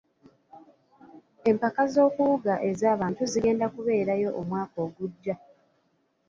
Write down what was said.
Empaka z'okuwuga ez'abazngu zigenda kubeerayo omwaka ogujja.